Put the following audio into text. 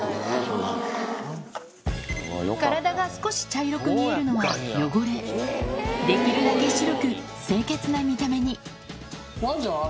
体が少し茶色く見えるのは汚れできるだけ白く清潔な見た目にワンちゃん。